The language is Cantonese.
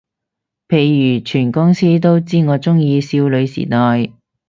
譬如全公司都知我鍾意少女時代